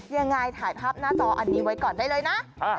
ยังไงถ่ายภาพหน้าจออันนี้ไว้ก่อนได้เลยนะ